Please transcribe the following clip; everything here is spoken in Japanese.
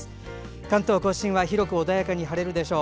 関東・甲信は広く穏やかに晴れるでしょう。